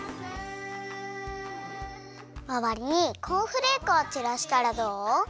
まわりにコーンフレークをちらしたらどう？